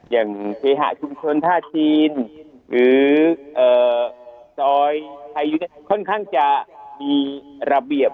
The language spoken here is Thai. อย่างเคหะชุมชนท่าจีนหรือซอยพายุค่อนข้างจะมีระเบียบ